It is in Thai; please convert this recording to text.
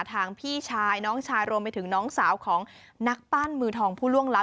พี่ชายน้องชายรวมไปถึงน้องสาวของนักปั้นมือทองผู้ล่วงลับ